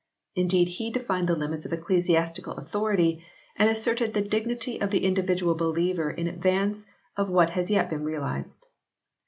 Indeed he defined the limits of ecclesiastical authority and asserted the dignity of the individual believer in advance of what has yet been realised.